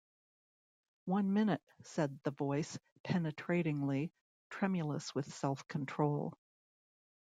"One minute," said the Voice, penetratingly, tremulous with self-control.